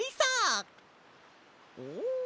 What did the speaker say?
お！